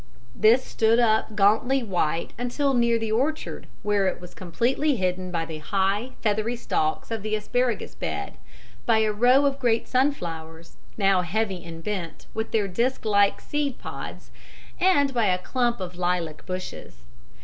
This stood up gauntly white until near the orchard, where it was completely hidden by the high, feathery stalks of the asparagus bed, by a row of great sunflowers, now heavy and bent with their disk like seed pods, and by a clump of lilac bushes.